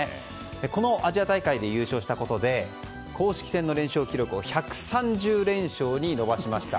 このアジア大会で優勝したことで公式戦の連勝記録を１３０連勝に伸ばしました。